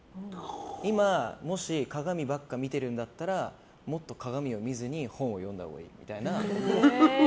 今、もし鏡ばっか見てるんだったらもっと鏡を見ずに本を読んだほうがいいみたいな。